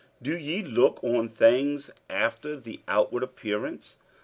47:010:007 Do ye look on things after the outward appearance?